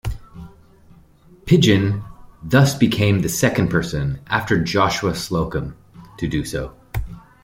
Pidgeon thus became the second person, after Joshua Slocum, to do so.